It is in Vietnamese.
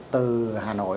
từ hà nội